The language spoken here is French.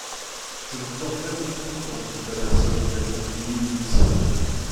Je vous en fais mon compliment, monsieur Patterson, répondit Will Mitz.